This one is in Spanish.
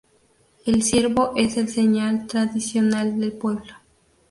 El ciervo es el señal tradicional del pueblo.